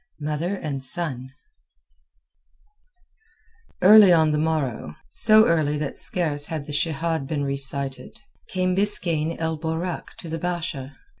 MOTHER AND SON Early on the morrow—so early that scarce had the Shehad been recited—came Biskaine el Borak to the Basha.